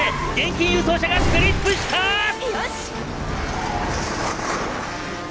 よし！